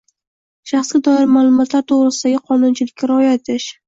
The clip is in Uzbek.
shaxsga doir ma’lumotlar to‘g‘risidagi qonunchilikka rioya etishi;